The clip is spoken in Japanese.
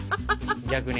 逆に。